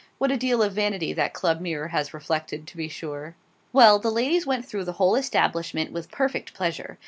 What a deal of vanity that Club mirror has reflected, to be sure! Well, the ladies went through the whole establishment with perfect pleasure.